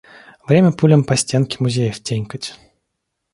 Время пулям по стенке музеев тенькать.